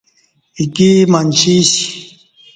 ایکی منچی اسہ۔